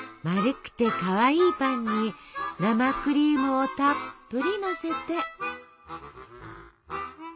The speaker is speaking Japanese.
丸くてかわいいパンに生クリームをたっぷりのせて。